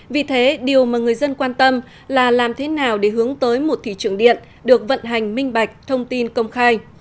vì thế điều mà người dân quan tâm là làm thế nào để hướng tới một thị trường điện được vận hành minh bạch thông tin công khai